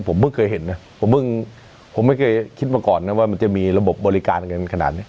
ผมเพิ่งเคยเห็นนะผมเพิ่งผมไม่เคยคิดมาก่อนนะว่ามันจะมีระบบบบริการกันขนาดนี้